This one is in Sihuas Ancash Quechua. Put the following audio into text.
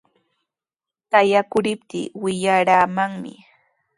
Qayakuriptii wiyaramanmi.